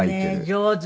上手。